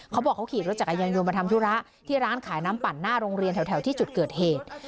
เขาบอกเขาขี่รถจักรยานยนต์มาทำธุระที่ร้านขายน้ำปั่นหน้าโรงเรียนแถวที่จุดเกิดเหตุ